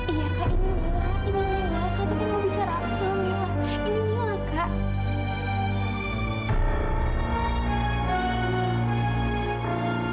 iya kak ini milah ini milah kak tufan mau bisa rasa milah ini milah kak